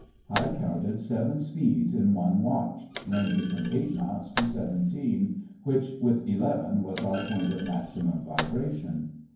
I counted seven speeds in one watch, ranging from eight knots to seventeen, which, with eleven, was our point of maximum vibration.